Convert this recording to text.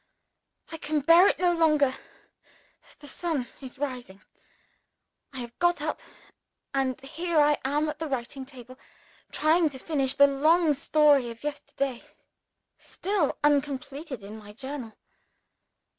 I can bear it no longer. The sun is rising. I have got up and here I am at the writing table, trying to finish the long story of yesterday still uncompleted in my Journal.